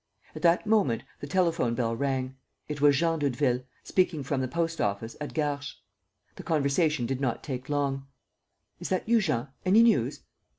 At that moment, the telephone bell rang. It was Jean Doudeville, speaking from the post office at Garches. The conversation did not take long: "Is that you, Jean? Any news?"